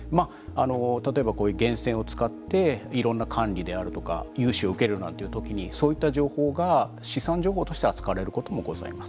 例えばこういう源泉を使っていろんな管理であるとか融資を受けるなんていう時にそういった情報が資産情報として扱われることもございます。